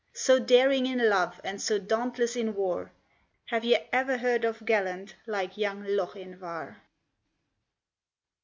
So daring in love, and so dauntless in war, Have ye e'er heard of gallant like young Lochinvar?